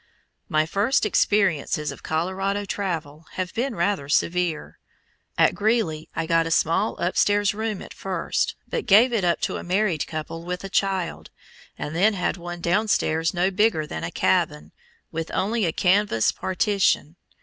My first experiences of Colorado travel have been rather severe. At Greeley I got a small upstairs room at first, but gave it up to a married couple with a child, and then had one downstairs no bigger than a cabin, with only a canvas partition.